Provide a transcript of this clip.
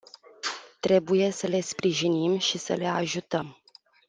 Trebuie să le sprijinim și să le ajutăm.